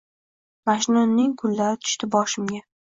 Majnunning kunlari tushdi boshimga.